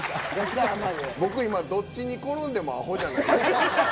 僕、今どっちに転んでもアホじゃないですか。